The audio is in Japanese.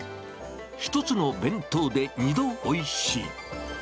１つの弁当で２度おいしい。